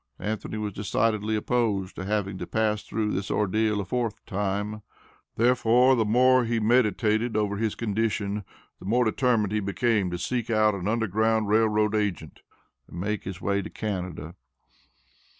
Anthony was decidedly opposed to having to pass through this ordeal a fourth time, therefore, the more he meditated over his condition, the more determined he became to seek out an Underground Rail Road agent, and make his way to Canada.